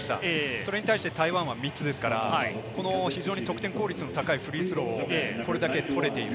それに対して台湾は３つですから、非常に得点効率の高いフリースローがこれだけ取れている。